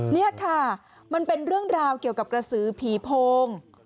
นี่ค่ะมันเป็นเรื่องราวเกี่ยวกับกระสือผีโพง